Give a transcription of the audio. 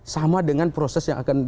sama dengan proses yang akan